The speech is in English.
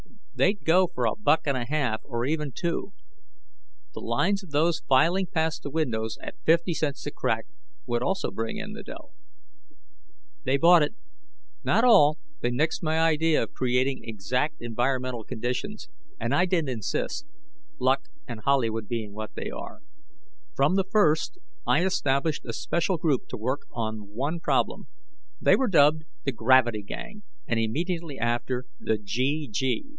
They'd go for a buck and a half or even two; the lines of those filing past the windows, at 50 cents a crack, would also bring in the dough. They bought it. Not all they nixed my idea of creating exact environmental conditions; and I didn't insist, luck and Hollywood being what they are. From the first, I established a special group to work on one problem. They were dubbed the Gravity Gang, and immediately after, the GG.